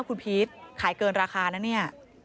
คุณพีชขายเกินราคานะเนี่ย